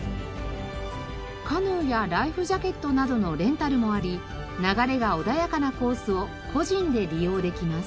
カヌーやライフジャケットなどのレンタルもあり流れが穏やかなコースを個人で利用できます。